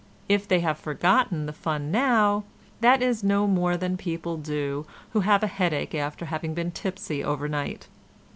If they have forgotten the fun now, that is no more than people do who have a headache after having been tipsy overnight.